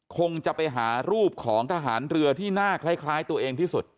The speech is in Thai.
คงจะไปหารูปของทหารเรือที่หน้าคล้ายตัวเองที่สุด